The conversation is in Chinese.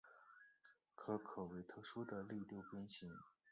壳口为特殊的类六边形。